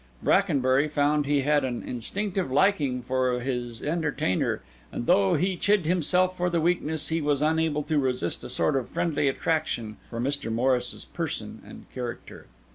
Brackenbury found he had an instinctive liking for his entertainer; and though he chid himself for the weakness, he was unable to resist a sort of friendly attraction for Mr. Morris's person and character.